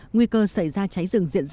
nguy cơ xảy ra chảy